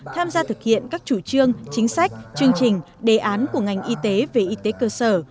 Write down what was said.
tham gia thực hiện các chủ trương chính sách chương trình đề án của ngành y tế về y tế cơ sở